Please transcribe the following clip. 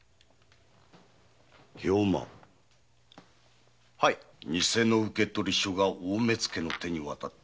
兵馬偽の受取書が大目付の手に渡った。